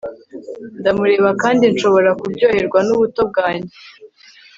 Ndamureba kandi nshobora kuryoherwa nubuto bwanjye